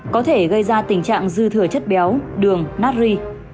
có thể gây ra tình trạng dư thừa chất béo đường nát ri